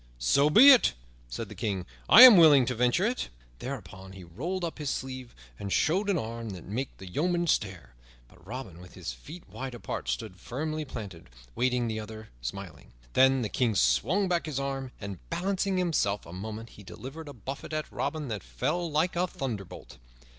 "So be it," said the King, "I am willing to venture it." Thereupon he rolled up his sleeve and showed an arm that made the yeomen stare. But Robin, with his feet wide apart, stood firmly planted, waiting the other, smiling. Then the King swung back his arm, and, balancing himself a moment, he delivered a buffet at Robin that fell like a thunderbolt.